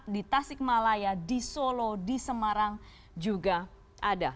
di tasikmalaya di solo di semarang juga ada